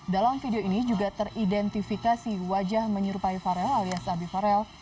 dalam video ini juga teridentifikasi wajah menyerupai farel alias abivarel